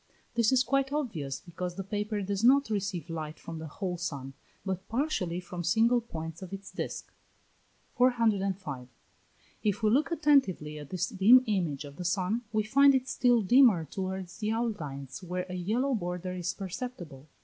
This is quite obvious, because the paper does not receive light from the whole sun, but partially from single points of its disk. 405. If we look attentively at this dim image of the sun, we find it still dimmer towards the outlines where a yellow border is perceptible.